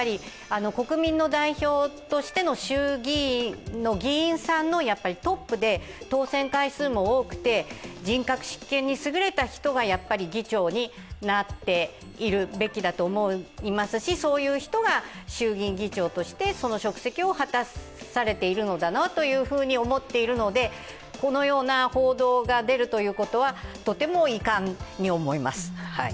国民の代表としての衆議院の議員さんのトップで当選回数も多くて、人格にすぐれた人が議長になっているべきだと思いますしそういう人が衆議院議長としてその職責を果たされているのだなと思っているので、このような報道が出るということはとても遺憾に思います。